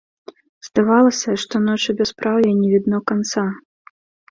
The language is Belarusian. Здавалася, што ночы бяспраўя не відно канца.